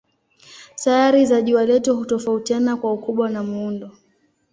Sayari za jua letu hutofautiana kwa ukubwa na muundo.